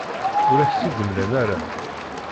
Ur ak-t-id-mlan ara.